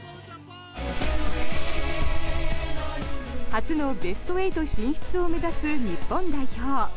初のベスト８進出を目指す日本代表。